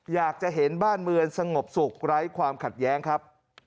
อยากจะเห็นบ้านเมืองสงบสุขไร้ความขัดแย้งครับ